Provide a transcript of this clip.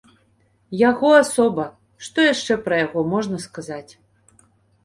Яго асоба, што яшчэ пра яго можна сказаць.